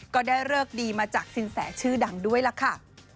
ก็ได้เลิกดีมาจากสินแสชื่อดังด้วยล่ะค่ะ